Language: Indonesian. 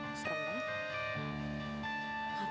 aduh serem banget